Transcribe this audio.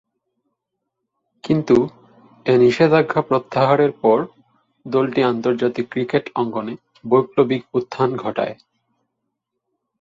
কিন্তু, এ নিষেধাজ্ঞা প্রত্যাহারের পর দলটি আন্তর্জাতিক ক্রিকেট অঙ্গনে বৈপ্লবিক উত্থান ঘটায়।